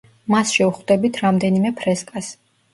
მასში ვხვდებით რამდენიმე ფრესკას.